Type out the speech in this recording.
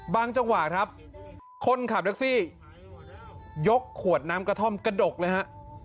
จังหวะครับคนขับแท็กซี่ยกขวดน้ำกระท่อมกระดกเลยฮะ